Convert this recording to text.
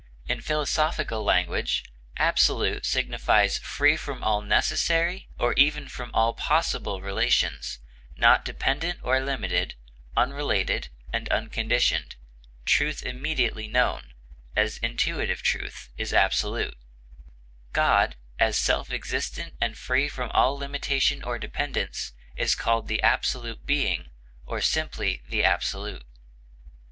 In philosophical language, absolute signifies free from all necessary, or even from all possible relations, not dependent or limited, unrelated and unconditioned; truth immediately known, as intuitive truth, is absolute; God, as self existent and free from all limitation or dependence, is called the absolute Being, or simply the Absolute.